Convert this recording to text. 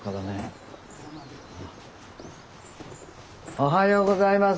おはようございます。